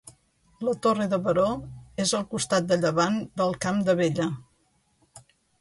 La Torre de Baró és al costat de llevant del Camp d'Abella.